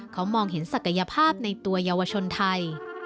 เขามองเห็นศักยภาพในตัวเยาวชนไทย